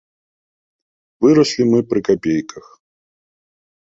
Выраслі мы пры капейках.